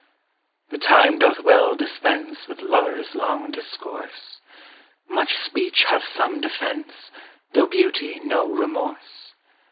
The time doth well dispense With lovers' long discourse; Much speech hath some defence, Though beauty no remorse.